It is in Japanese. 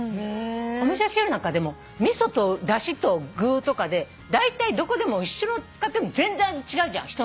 お味噌汁なんかでも味噌とだしと具とかでだいたいどこでも一緒の使っても全然味違うじゃん。